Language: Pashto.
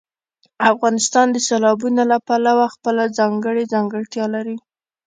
افغانستان د سیلابونو له پلوه خپله ځانګړې ځانګړتیا لري.